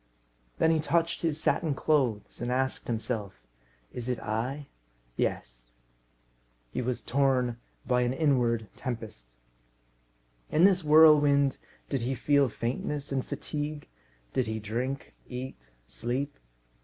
Then he touched his satin clothes, and asked himself, "Is it I? Yes." He was torn by an inward tempest. In this whirlwind, did he feel faintness and fatigue? Did he drink, eat, sleep?